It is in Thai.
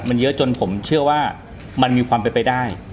มันเยอะจนผมเชื่อว่ามันมีความเป็นไปได้